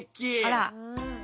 あら。